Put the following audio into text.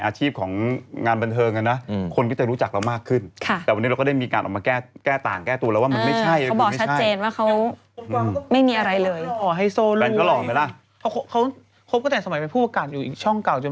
เอาเขาก็ยืนยันชัดเจนว่าเขาไม่ได้เป็นมือที่สารนะครับคุณผู้ชม